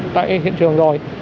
tại hiện trường rồi